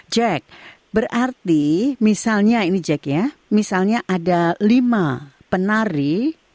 jack berarti misalnya ada lima penari